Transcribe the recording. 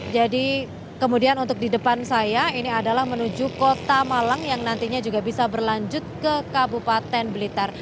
jadi kemudian untuk di depan saya ini adalah menuju kota malang yang nantinya juga bisa berlanjut ke kabupaten blitar